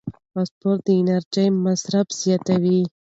سپورت د انرژۍ مصرف زیاتوي.